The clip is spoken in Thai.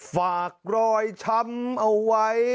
ฝากรอยช้ำเอาไว้